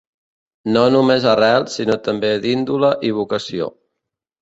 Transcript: No només arrel, sinó també d'índole i vocació.